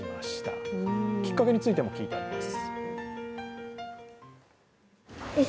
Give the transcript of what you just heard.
きっかけについても聞いてあります。